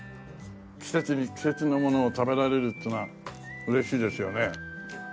季節に季節のものを食べられるっていうのは嬉しいですよね。